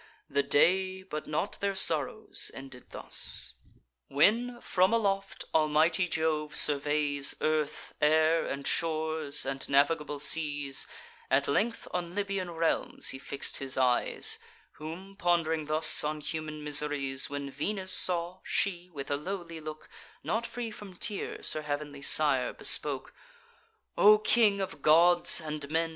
The day, but not their sorrows, ended thus. When, from aloft, almighty Jove surveys Earth, air, and shores, and navigable seas, At length on Libyan realms he fix'd his eyes: Whom, pond'ring thus on human miseries, When Venus saw, she with a lowly look, Not free from tears, her heav'nly sire bespoke: "O King of Gods and Men!